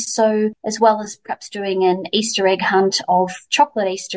jadi sama seperti mungkin melakukan pencarian peserta peserta